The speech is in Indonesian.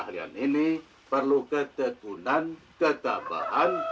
keahlian ini perlu ketetunan ketabahan